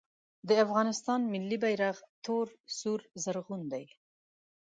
د افغانستان ملي بیرغ تور سور زرغون دی